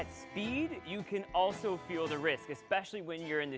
terutama saat anda berada di jalan jalan